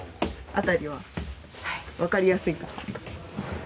辺りはわかりやすいかなと。